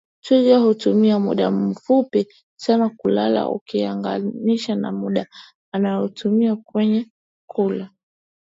Twiga hutumia muda mfupi sana kulala ukilinganisha na muda anaotumia kwenye kula